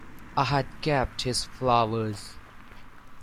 I had kept his flowers.